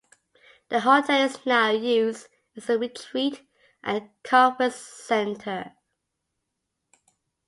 The hotel is now used as a retreat and conference center.